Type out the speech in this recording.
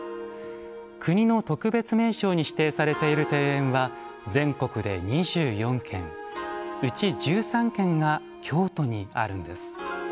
国の特別名勝に指定されている庭園は全国で２４件うち１３件が京都にあるんです。